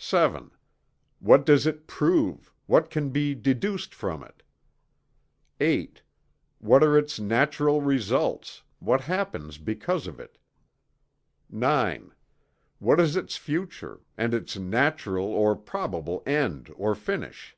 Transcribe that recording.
VII. What does it prove what can be deduced from it? VIII. What are its natural results what happens because of it? IX. What is its future; and its natural or probable end or finish?